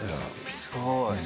すごい。